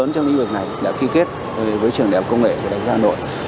trường đại học quốc giáo nội